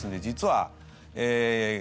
実はええ